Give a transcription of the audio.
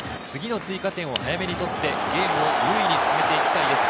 追加点を早めに取って、ゲームを優位に進めていきたいです。